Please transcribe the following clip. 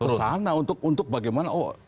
terus ke sana untuk bagaimana